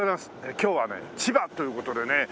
今日はね千葉という事でね